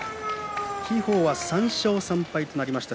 輝鵬は３勝３敗となりました